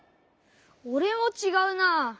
おれもちがうなあ。